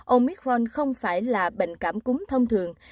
omicron không phải là bệnh cảm cúng thông thường